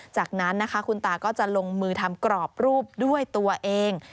จากนั้นนะคะคุณตาก็จะลงมือทำกรอบรูปด้วยตัวเอง